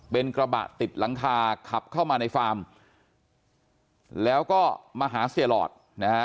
เป็นกระบะติดหลังคาขับเข้ามาในฟาร์มแล้วก็มาหาเสียหลอดนะฮะ